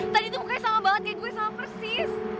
tadi itu mukanya sama banget kayak gue sama persis